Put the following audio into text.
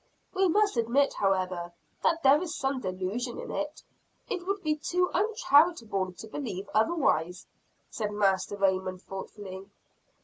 "We must admit, however, that there is some delusion in it. It would be too uncharitable to believe otherwise," said Master Raymond thoughtfully.